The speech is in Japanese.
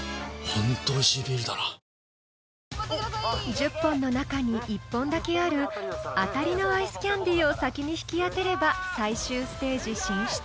［１０本の中に１本だけあるアタリのアイスキャンディーを先に引き当てれば最終ステージ進出］